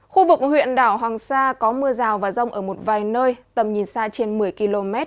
khu vực huyện đảo hoàng sa có mưa rào và rông ở một vài nơi tầm nhìn xa trên một mươi km